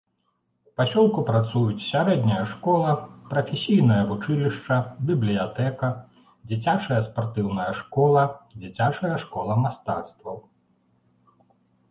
У пасёлку працуюць сярэдняя школа, прафесійнае вучылішча, бібліятэка, дзіцячая спартыўная школа, дзіцячая школа мастацтваў.